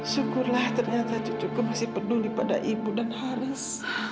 syukurlah ternyata cucuku masih peduli pada ibu dan haris